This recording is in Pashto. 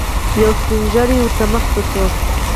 يو سپين ږيری ور مخته شو.